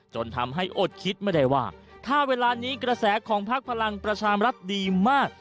จนทำให้อดคิดไม่ได้ว่าถ้าเวลานี้กระแสของพักพลังประชามรัฐดีมาก